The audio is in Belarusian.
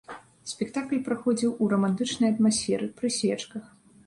Спектакль праходзіў у рамантычнай атмасферы, пры свечках.